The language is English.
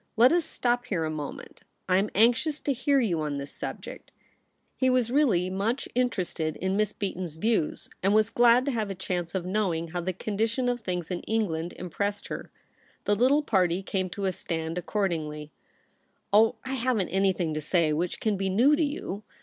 Let us stop here a moment. I am anxious to hear you on this subject.' He was really much interested in Miss Beaton's views, and was glad to have a chance of knowing how the condition of things in Eng land impressed her. The little party came to a stand accord ingly. ' Oh, I haven't anything to say which can be new to you.